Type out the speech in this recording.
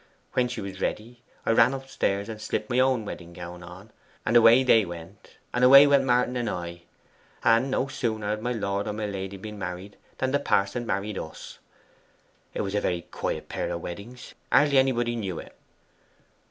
When she was ready, I ran upstairs and slipped on my own wedding gown, and away they went, and away went Martin and I; and no sooner had my lord and my lady been married than the parson married us. It was a very quiet pair of weddings hardly anybody knew it.